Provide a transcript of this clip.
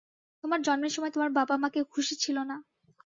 তোমার জন্মের সময় তোমার বাবা-মা কেউ খুশি ছিল না।